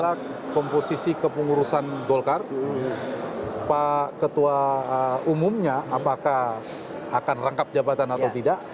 apakah komposisi kepengurusan golkar pak ketua umumnya apakah akan rangkap jabatan atau tidak